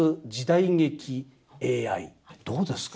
どうですか？